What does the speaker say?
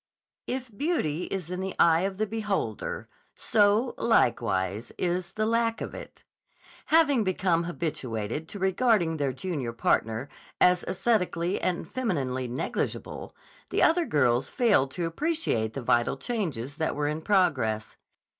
If beauty is in the eye of the beholder, so likewise is the lack of it. Having become habituated to regarding their junior partner as aesthetically and femininely negligible, the other girls failed to appreciate the vital changes that were in progress.